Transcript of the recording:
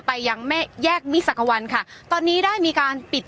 ไปยังแม่แยกมิสักวันค่ะตอนนี้ได้มีการปิด